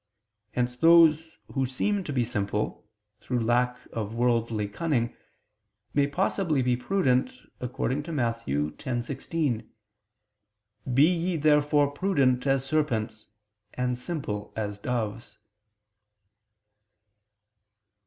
Hence those who seem to be simple, through lack of worldly cunning, may possibly be prudent, according to Matt. 10:16: "Be ye therefore prudent (Douay: 'wise') as serpents, and simple as doves."